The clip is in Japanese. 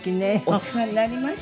お世話になりました。